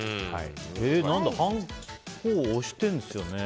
はんこを押しているんですよね。